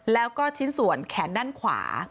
แล้วก็ชิ้นส่วนแขนด้านขวา